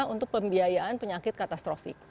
untuk pembiayaan penyakit katastrofik